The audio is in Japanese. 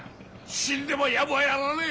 死んでもやぼはやらねえ！